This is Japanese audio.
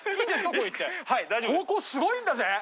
ここすごいんだぜ！